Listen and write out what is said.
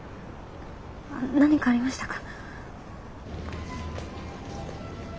何かありましたか？